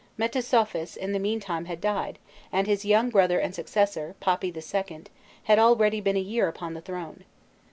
Metesouphis, in the mean time, had died, and his young brother and successor, Papi II., had already been a year upon the throne.